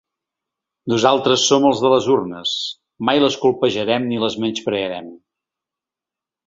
Nosaltres som els de les urnes, mai les colpejarem ni les menysprearem.